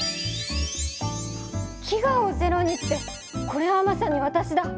「飢餓をゼロに」ってこれはまさにわたしだ！